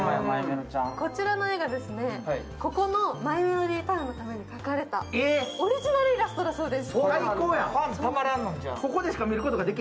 こちらの絵が、ここのＭｙＭｅｌｏｄｙＴｏｗｎのために描かれたオリジナルイラストだそうです。